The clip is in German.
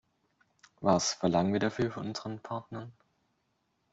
Was verlangen wir dafür von unseren Partnern?